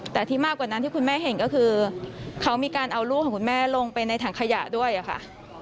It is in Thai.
แต่ที่มากกว่านั้นที่คุณแม่เห็นก็คือเขามีการเอาลูกของคุณแม่ลงไปในถังขยะด้วยค่ะ